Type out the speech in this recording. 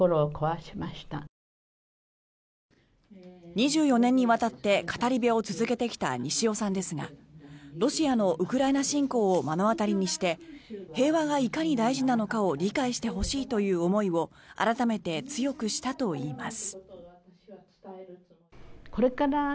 ２４年にわたって語り部を続けてきた西尾さんですがロシアのウクライナ侵攻を目の当たりにして平和がいかに大事なのかを理解してほしいという思いを改めて強くしたといいます。